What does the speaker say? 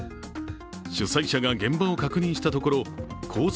主催者が現場を確認したところ、コース